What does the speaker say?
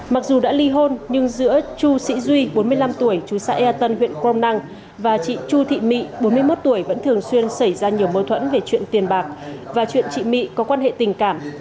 mặc dù đã ly hôn nhưng giữa chu sĩ duy bốn mươi năm tuổi chú xã ea tân huyện crom năng và chị chu thị mị bốn mươi một tuổi vẫn thường xuyên xảy ra nhiều mâu thuẫn về chuyện tiền bạc và chuyện chị my có quan hệ tình cảm